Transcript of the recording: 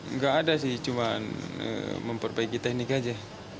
nggak ada sih cuma memperbaiki teknik aja